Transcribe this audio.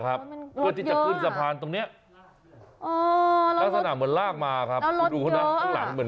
หลังเหมือนจะมีอะไรตกปลูกติดไว้